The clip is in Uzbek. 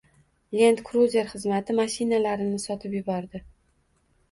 «Lend Kruzer» xizmat mashinalarini sotib yubordi.